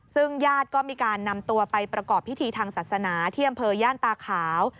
ซึ่งญาติก็มีการนำตัวไปประกอบพิธีทางศาสนาที่อำเภอย่านตาขาว